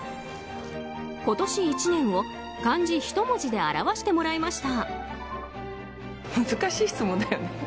今年１年を漢字一文字で表してもらいました。